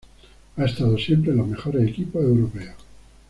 Ha estado siempre en los mejores equipos Europeos.